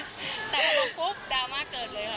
แต่พอพบดราม่าเกิดเลยเหรอ